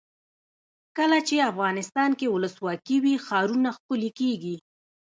کله چې افغانستان کې ولسواکي وي ښارونه ښکلي کیږي.